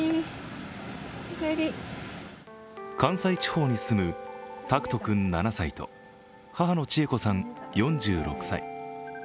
関西地方に住む拓人君７歳と母の千恵子さん４６歳。